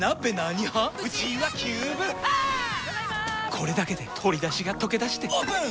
これだけで鶏だしがとけだしてオープン！